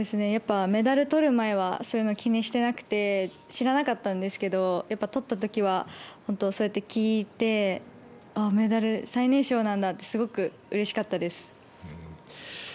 やっぱメダル取る前はそういうの気にしてなくて知らなかったんですけどやっぱ取ったときは本当、そうやって聞いてメダル最年少なんだってすごくうれしかったです。